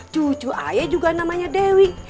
cucu ayah juga namanya dewi